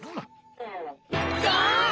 うわ！